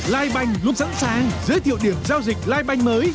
lifebanh luôn sẵn sàng giới thiệu điểm giao dịch lifebanh mới